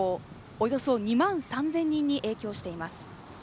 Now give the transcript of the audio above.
およそ２万３０００人に影響しています